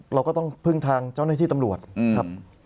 เราก็ต้องพึ่งทางเจ้าหน้าที่ตำรวจครับ